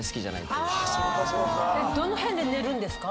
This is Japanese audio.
どの辺で寝るんですか？